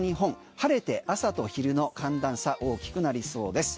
晴れて朝と昼の寒暖差大きくなりそうです。